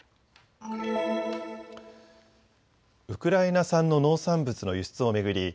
ウクライナ産の農産物の輸出を巡り